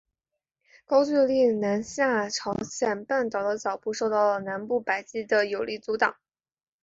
高句丽南下朝鲜半岛的脚步受到南部百济的有力阻挡。